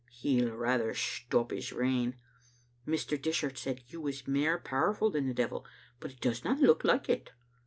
He'll rather stop his rain. Mr. Dishart said You was mair powerful than the devil, but it doesna look like it.